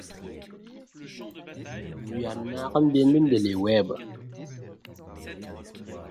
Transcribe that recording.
Son cœur de métier est le Web.